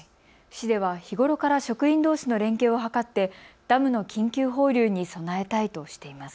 市では日頃から職員どうしの連携を図ってダムの緊急放流に備えたいとしています。